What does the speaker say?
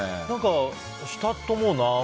何か、したと思うな。